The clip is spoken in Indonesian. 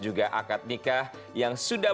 juga akad nikah yang sudah